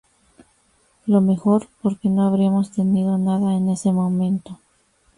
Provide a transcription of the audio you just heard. Lo mejor, porque no habríamos tenido nada en ese momento.